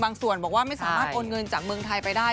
ส่วนบอกว่าไม่สามารถโอนเงินจากเมืองไทยไปได้